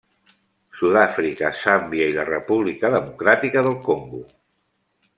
Sud-àfrica, Zàmbia i la República Democràtica del Congo.